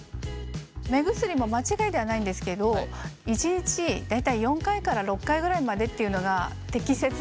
目薬も間ちがいではないんですけど１日大体４回から６回ぐらいまでっていうのが適切な使用方法でして。